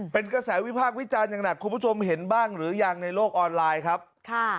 เป็นกระแสวิพากษ์วิจารณ์อย่างหนักคุณผู้ชมเห็นบ้างหรือยังในโลกออนไลน์ครับค่ะ